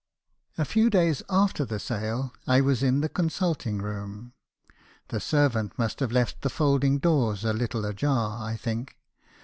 "A few days after the sale, I was in the consulting room. The servant must have left the folding doors a little ajar, I think.